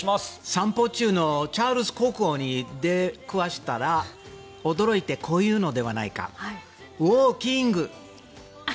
散歩中のチャールズ国王に出くわしたら驚いてこう言うのではないか。